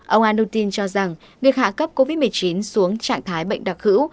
ông anutin cho rằng việc hạ cấp covid một mươi chín xuống trạng thái bệnh đặc hữu